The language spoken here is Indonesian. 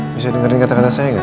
bisa dengerin kata kata saya nggak